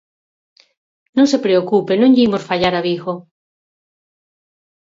Non se preocupe, non lle imos fallar a Vigo.